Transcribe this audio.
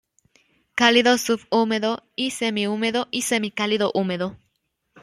Cálido subhúmedo y semihúmedo y semicálido húmedo.